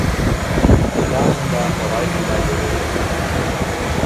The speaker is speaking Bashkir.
— Тотаһың да һорайһың да йөрөйһөң.